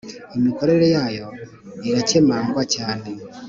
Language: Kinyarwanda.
imikorere yayo iracyemangwa cyane